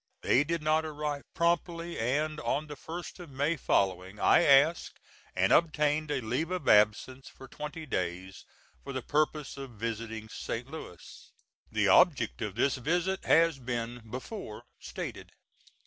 They did not arrive promptly, and on the 1st of May following I asked and obtained a leave of absence for twenty days, for the purpose of visiting St. Louis. The object of this visit has been before stated.